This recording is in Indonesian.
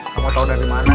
kamu tau dari mana